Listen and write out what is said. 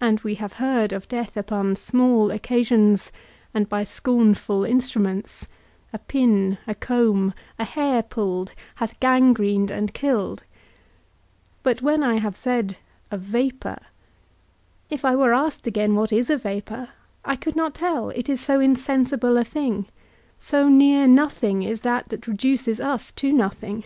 And we have heard of death upon small occasions and by scornful instruments: a pin, a comb, a hair pulled, hath gangrened and killed; but when I have said a vapour, if I were asked again what is a vapour, I could not tell, it is so insensible a thing; so near nothing is that that reduces us to nothing.